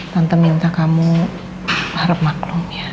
tante minta kamu harap maklum